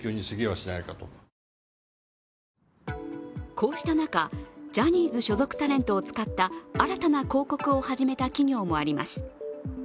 こうした中、ジャニーズ所属タレントを使った新たな広告を始めた企業もあります。